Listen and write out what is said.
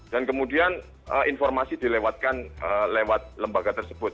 dan kemudian informasi dilewatkan lewat lembaga tersebut